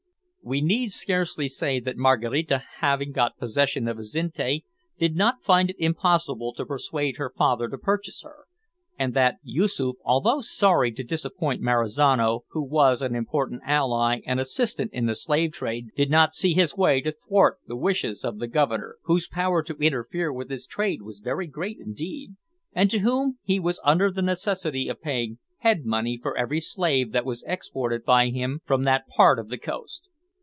We need scarcely say that Maraquita, having got possession of Azinte, did not find it impossible to persuade her father to purchase her, and that Yoosoof, although sorry to disappoint Marizano, who was an important ally and assistant in the slave trade, did not see his way to thwart the wishes of the Governor, whose power to interfere with his trade was very great indeed, and to whom he was under the necessity of paying head money for every slave that was exported by him from that part of the coast.